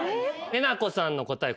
えなこさんの答え